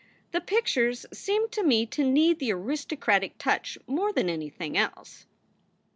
The pictures seem to me to need the aristocratic touch more than anything else."